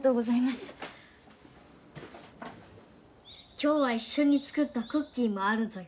今日は一緒に作ったクッキーもあるぞよ。